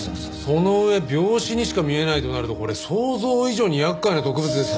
その上病死にしか見えないとなるとこれ想像以上に厄介な毒物ですね。